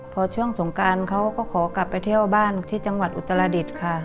พอช่วงสงการเขาก็ขอกลับไปเที่ยวบ้านที่จังหวัดอุตรดิษฐ์ค่ะ